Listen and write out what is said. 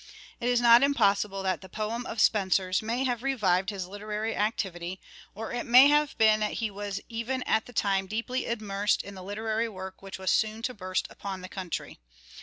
It is not impossible that the poem of Spenser's may have revived his literary activity, or it may have been that he was even at the time deeply immersed in the literary work which was soon to burst upon the country.